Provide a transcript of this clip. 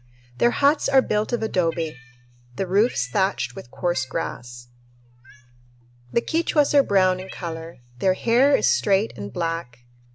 Their huts are built of adobe, the roofs thatched with coarse grass. The Quichuas are brown in color. Their hair is straight and black.